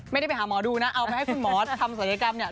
ไม่ได้ไปหาหมอดูนะเอาไปให้คุณหมอทำศัลยกรรมเนี่ย